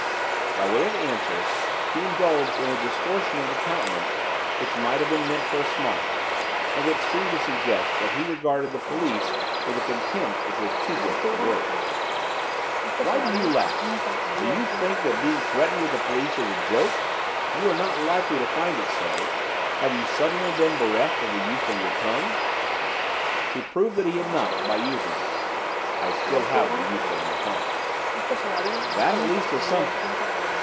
By way of answer he indulged in a distortion of the countenance which might have been meant for a smile, and which seemed to suggest that he regarded the police with a contempt which was too great for words. 'Why do you laugh do you think that being threatened with the police is a joke? You are not likely to find it so. Have you suddenly been bereft of the use of your tongue?' He proved that he had not by using it. 'I have still the use of my tongue.' 'That, at least, is something.